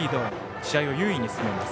試合を優位に進めます。